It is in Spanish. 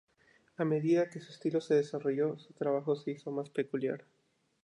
A medida que su estilo se desarrolló, su trabajo se hizo más peculiar.